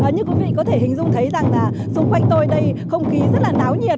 như quý vị có thể hình dung thấy rằng là xung quanh tôi đây không khí rất là náo nhiệt